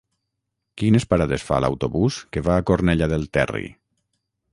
Quines parades fa l'autobús que va a Cornellà del Terri?